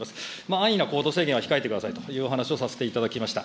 安易な行動制限は控えてくださいというお話をさせていただきました。